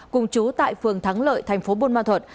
cùng chú tại phường thắng lợi tp bun ma thuật